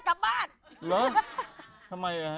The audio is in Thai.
เหรอทำไมอะ